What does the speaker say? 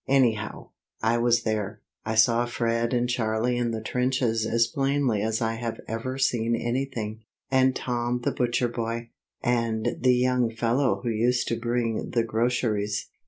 Anyhow, I was there. I saw Fred and Charlie in the trenches as plainly as I have ever seen anything, and Tom the butcher boy, and the young fellow who used to bring the groceries.